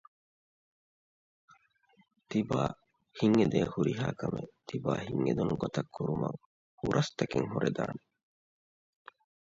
ތިބާ ހިތް އެދޭ ހުރިހާ ކަމެއް ތިބާ ހިތް އެދުނުގޮތަށް ކުރުމަށް ހުރަސްތަކެއް ހުރެދާނެ